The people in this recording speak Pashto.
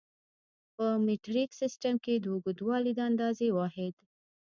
په مټریک سیسټم کې د اوږدوالي د اندازې واحد